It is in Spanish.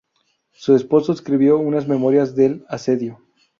Su esposa escribió unas memorias del asedio.